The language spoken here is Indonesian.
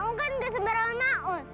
maung kan gak sebenarnya maung